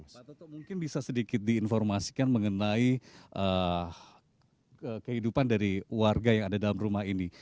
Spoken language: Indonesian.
pak toto mungkin bisa sedikit diinformasikan mengenai kehidupan dari warga yang ada dalam rumah ini